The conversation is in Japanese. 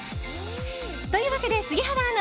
というわけで杉原アナ！